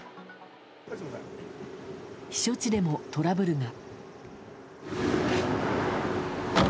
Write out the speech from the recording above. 避暑地でもトラブルが。